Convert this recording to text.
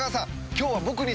今日は僕に。